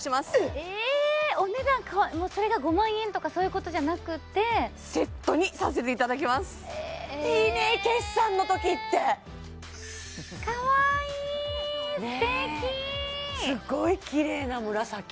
えお値段変わそれが５万円とかそういうことじゃなくてセットにさせていただきますえいいね決算の時ってかわいいすてきすごいきれいな紫